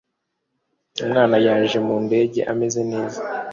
Umwana yaje mu ndege ameze neza.